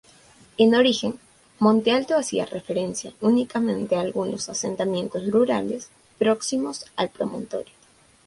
En origen, Monte Alto hacía referencia únicamente a algunos asentamientos rurales próximos al promontorio.